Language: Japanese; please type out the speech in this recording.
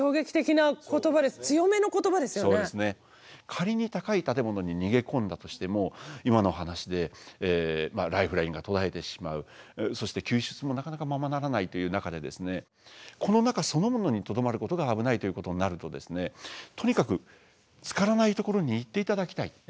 仮に高い建物に逃げ込んだとしても今の話でライフラインが途絶えてしまうそして救出もなかなかままならないという中でこの中そのものにとどまることが危ないということになるととにかくつからないところに行って頂きたい。